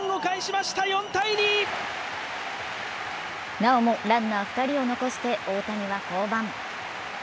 なおもランナー２人を残して、大谷は降板。